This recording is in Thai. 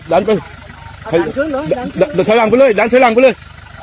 ดันใช้หลังไปเลย